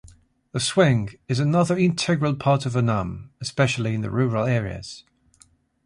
The swing is another integral part of Onam, especially in the rural areas.